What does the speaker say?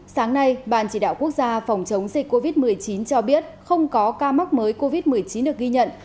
sáng nay ban chỉ đạo quốc gia phòng chống dịch covid một mươi chín cho biết không có ca mắc mới covid một mươi chín được ghi nhận